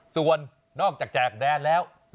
ส่วนนอกจากแจกแดนแล้ว